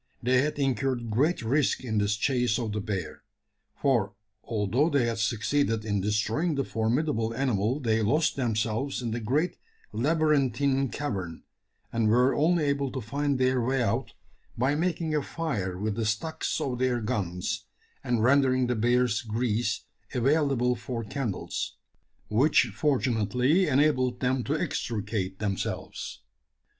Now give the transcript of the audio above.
They had incurred great risk in this chase of the bear: for although they had succeeded in destroying the formidable animal they lost themselves in the great labyrinthine cavern, and were only able to find their way out by making a fire with the stocks of their guns, and rendering the bear's grease available for candles which fortunately enabled them to extricate themselves.